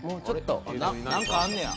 なんかあんねや。